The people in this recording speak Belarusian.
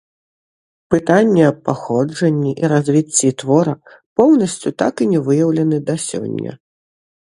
Пытанне аб паходжанні і развіцці твора поўнасцю так і не выяўлены да сёння.